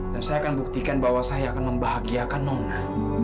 dan saya akan buktikan bahwa saya akan membahagiakan nona